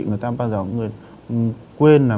người ta bao giờ quên là